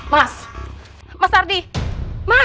mas mas ardi mas